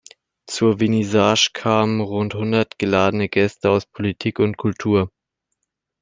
Zur Vernissage kamen rund hundert geladene Gäste aus Politik und Kultur.